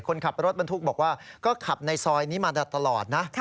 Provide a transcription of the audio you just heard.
คนขับรถบรรทุกบอกว่าก็ขับในซอยนี้มาตลอดนะ